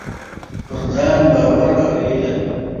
پر ځان باور او هيله: